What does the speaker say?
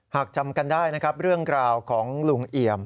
หากจำกันได้นะครับเรื่องกล่าวของลุงเอี่ยม